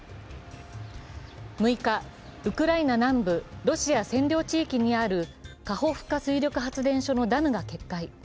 ６日、ウクライナ南部、ロシア占領地域にあるカホフカ水力発電所のダムが決壊。